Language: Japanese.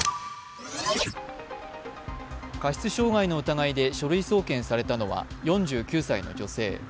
過失傷害の疑いで書類送検されたのは４９歳の女性。